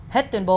hết tuyên bố